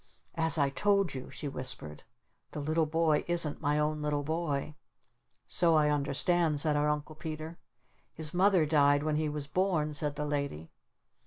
"As I told you," she whispered, "the little boy isn't my own little boy." "So I understood," said our Uncle Peter. "His Mother died when he was born," said the Lady.